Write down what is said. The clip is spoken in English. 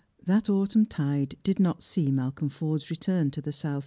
That autumn tide did not see IMalcolm Forde's return to the South